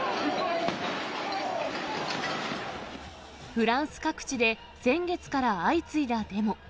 フランス各地で先月から相次いだデモ。